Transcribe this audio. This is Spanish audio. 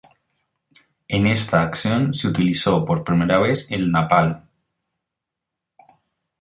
En esta acción se utilizó por primera vez el napalm.